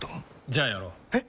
じゃあやろう。え？